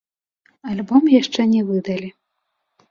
Альбом яшчэ не выдалі.